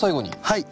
はい。